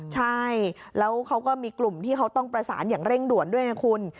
ใช่แล้วเขาก็มีกลุ่มที่เขาต้องประสานอย่างเร่งด่วนด้วยไงคุณ